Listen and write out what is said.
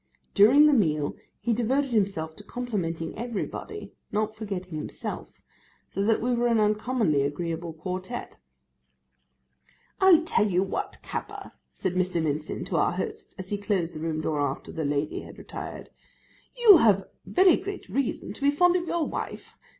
During the meal, he devoted himself to complimenting everybody, not forgetting himself, so that we were an uncommonly agreeable quartette. 'I'll tell you what, Capper,' said Mr. Mincin to our host, as he closed the room door after the lady had retired, 'you have very great reason to be fond of your wife.